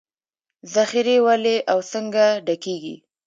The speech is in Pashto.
ذخیرې ولې او څنګه ډکېږي